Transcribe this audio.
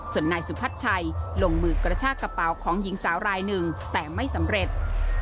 ส่วนนายสุพัชชัยลงมือกระชากระเป๋าของหญิงสาวรายหนึ่งแต่ไม่สำเร็จ